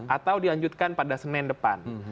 atau dilanjutkan pada senin depan